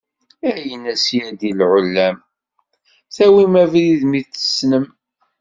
Ayen a syadi lɛulam, tawim abrid mi t-tessnem.